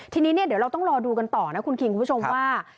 ทีนี้เนี่ยเดี๋ยวเราต้องรอดูกันต่อนะคุณคิงคุณผู้ชมว่า